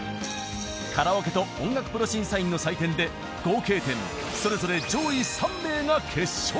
カラオケと音楽プロ審査員の採点で合計点それぞれ上位３名が決勝へ。